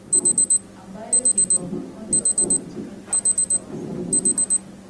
ambayo ni Wamakonde wanaopatikana katika Wasafwa